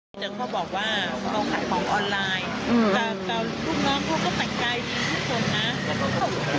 เนี้ยเขาบอกว่าขายของออนไลน์อืมแต่พวกน้ำเราก็แต่งกายดีทุกคนค่ะ